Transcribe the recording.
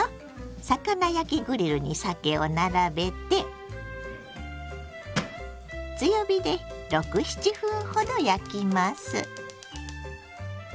魚焼きグリルにさけを並べて強火で６７分ほど焼きます。